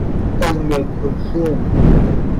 اُمکلثوم